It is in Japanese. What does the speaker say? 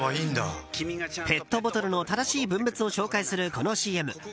ペットボトルの正しい分別を紹介する、このＣＭ。